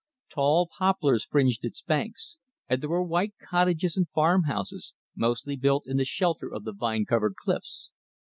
Tall poplars fringed its banks, and there were white cottages and farmhouses, mostly built in the shelter of the vine covered cliffs.